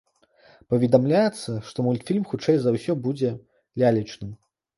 Паведамляецца, што мультфільм хутчэй за ўсё будзе лялечным.